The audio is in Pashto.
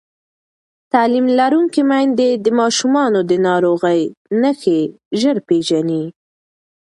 تعلیم لرونکې میندې د ماشومانو د ناروغۍ نښې ژر پېژني.